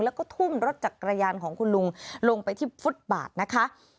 แล้วก็ทุ่มรถจักรยานของคุณลุงลงไปที่ฟุตบาทนะคะ